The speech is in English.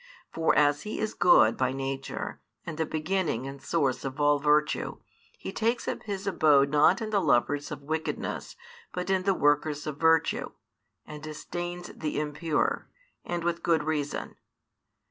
For as He is good by nature and the beginning and source of all virtue, He takes up His abode not in the lovers of wickedness but in the workers of virtue, and disdains the impure, and with good reason.